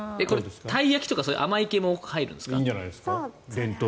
たい焼きとか甘い系も入るんですか？